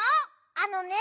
あのね